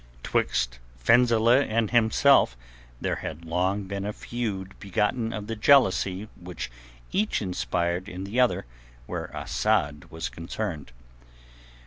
'Twixt Fenzileh and himself there had long been a feud begotten of the jealousy which each inspired in the other where Asad was concerned.